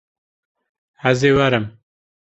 Ez ê werim.